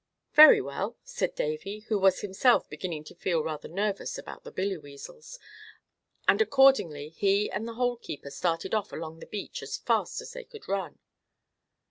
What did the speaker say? "Very well," said Davy, who was himself beginning to feel rather nervous about the Billyweazles, and accordingly he and the Hole keeper started off along the beach as fast as they could run.